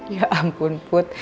ya ampun put